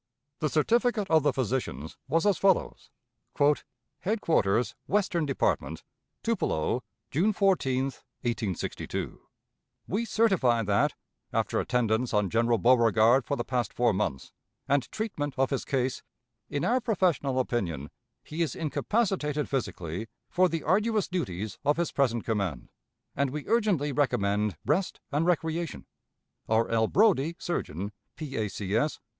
The certificate of the physicians was as follows: "HEADQUARTERS, WESTERN DEPARTMENT, "TUPELO, June 14, 1862. "We certify that, after attendance on General Beauregard for the past four months, and treatment of his case, in our professional opinion he is incapacitated physically for the arduous duties of his present command, and we urgently recommend rest and recreation. "R. L. Brodie, Surgeon, P. A. C. S.